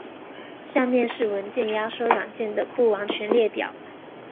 下面是文件压缩软件的不完全列表。